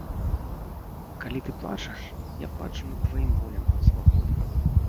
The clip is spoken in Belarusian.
Калі ты плачаш, я плачу над тваім болем, свабода.